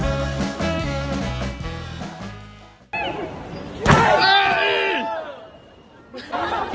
รับทราบ